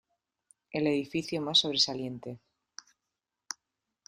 El edificio más sobresaliente.